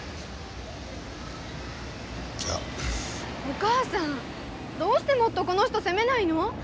お母さんどうしてもっとこの人責めないの？